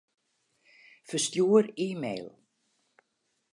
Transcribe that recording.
Ferstjoer e-mail.